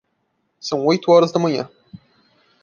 São oito horas da manhã.